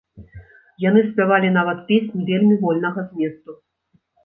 Яны спявалі нават песні вельмі вольнага зместу.